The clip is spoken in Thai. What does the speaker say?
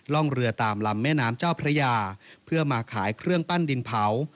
ร่องเรือตามลำแม่น้ำเจ้าพระยาเพื่อมาขายเครื่องปั้นดินเผา